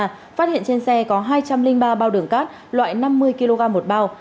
phát hiện trên xe có hai trăm linh ba bao đường cát loại năm mươi kg một bao